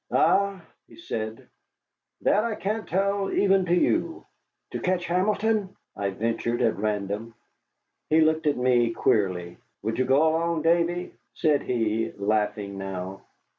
"Ah," he said, "that I can't tell even to you." "To catch Hamilton?" I ventured at random. He looked at me queerly. "Would you go along, Davy?" said he, laughing now.